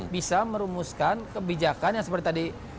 bisa merumuskan kebijakan yang seperti tadi